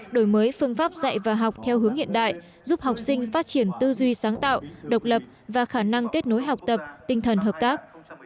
đổi mới phương pháp dạy và học theo hướng hiện đại giúp học sinh phát triển tư duy sáng tạo độc lập và khả năng kết nối học tập tinh thần hợp tác